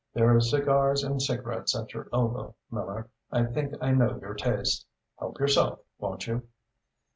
There are cigars and cigarettes at your elbow. Miller, I think I know your taste. Help yourself, won't you?"